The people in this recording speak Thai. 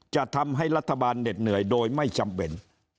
จะทำให้รัฐบาลเหน็ดเหนื่อยโดยไม่จำเป็น